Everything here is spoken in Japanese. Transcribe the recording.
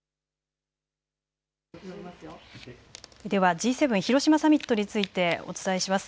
Ｇ７広島サミットについてお伝えします。